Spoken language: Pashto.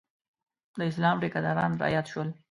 د اسلام ټیکداران رایاد شول.